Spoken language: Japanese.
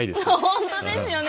本当ですよね。